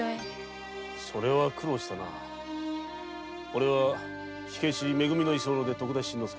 それは苦労したなおれはめ組の居候で徳田新之助。